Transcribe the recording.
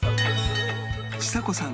ちさ子さん